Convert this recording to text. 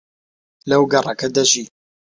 لەو گەڕەکە دەژی.